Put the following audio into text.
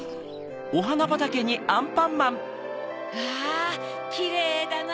わぁキレイだな！